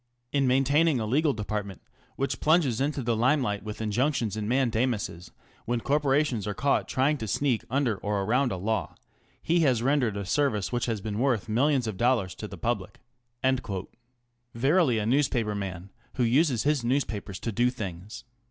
In maintaining a legal department, which plunges into the limelight with injunctions and mandamuses when cor of Reviews. porations are caught trying to sneak under or around a law, he has rendered a service which has been worth millions of dollars to the public. Verily a newspaper man, who uses his newspapers to do things.